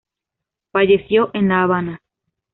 Falleció en La Habana.